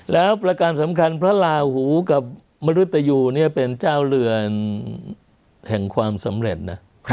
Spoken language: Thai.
แล้วประการสำคัญพระลาหูกับมนุษยูเนี่ยเป็นเจ้าเรือนแห่งความสำเร็จนะ